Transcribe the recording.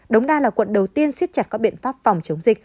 đống đa là quận đầu tiên siết chặt các biện pháp phòng chống dịch